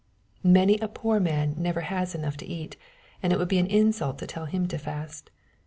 Many a poor man never has enough to eat, and it would be an insult to tell him to fast.